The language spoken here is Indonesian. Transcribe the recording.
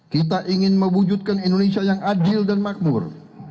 kita ingin mewujudkan indonesia yang adil dan makmur